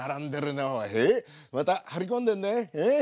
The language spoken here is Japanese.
また張り込んでんねええ？